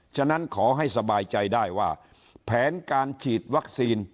ฉะนั้นขอให้สบายใจได้ว่าแผนการฉีดวัคซีน